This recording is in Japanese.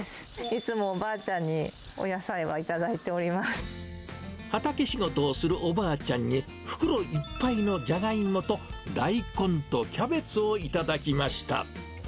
いつもおばあちゃんに、お野菜は畑仕事をするおばあちゃんに、袋いっぱいのじゃがいもと大根とキャベツをいただきました。